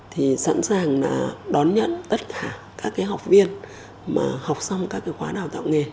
thì sẵn sàng là đón nhận tất cả các cái học viên mà học xong các cái khóa đào tạo nghề